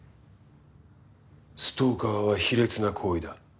ストーカーは卑劣な行為だ。